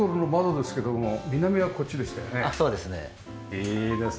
いいですね。